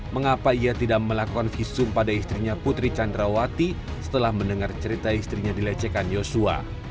mengapa ia tidak melakukan visum pada istrinya putri candrawati setelah mendengar cerita istrinya dilecehkan yosua